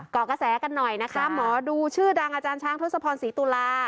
เกาะกระแสกันหน่อยนะคะหมอดูชื่อดังอาจารย์ช้างทศพรศรีตุลา